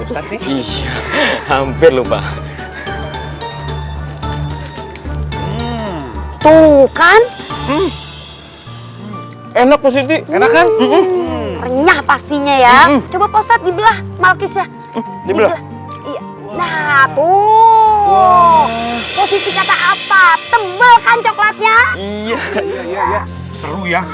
tuh kan enak positi enakan pastinya ya coba poset di belah malkis ya iya iya iya seru ya